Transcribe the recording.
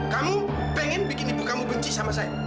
kamu pengen bikin ibu kamu benci sama saya